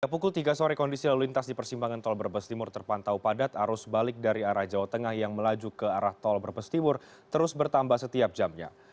pukul tiga sore kondisi lalu lintas di persimpangan tol brebes timur terpantau padat arus balik dari arah jawa tengah yang melaju ke arah tol brebes timur terus bertambah setiap jamnya